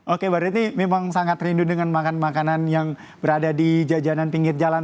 oke berarti memang sangat rindu dengan makan makanan yang berada di jajanan pinggir jalan